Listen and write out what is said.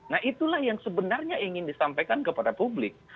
nah itulah yang sebenarnya ingin disampaikan kepada publik